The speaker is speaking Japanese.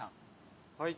はい。